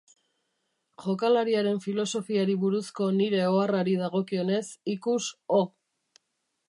Jokalariaren filosofiari buruzko nire oharrari dagokionez, ikus O.